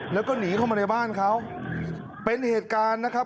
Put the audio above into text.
แล้วก็หนีเข้ามาในบ้านเขาเป็นเหตุการณ์นะครับ